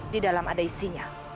di dalam ada isinya